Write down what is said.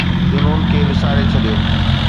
جنون کي وساري ڇڏيو